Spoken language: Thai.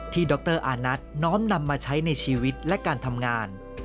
ดรอานัทน้อมนำมาใช้ในชีวิตและการทำงาน